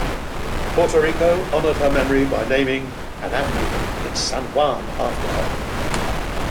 Puerto Rico honored her memory by naming an avenue in San Juan after her.